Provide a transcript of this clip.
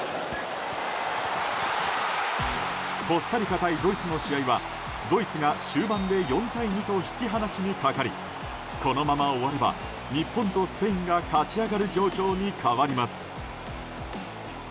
コスタリカ対ドイツの試合はドイツが終盤で４対２と引き離しにかかりこのまま終われば日本とスペインが勝ち上がる状況に変わります。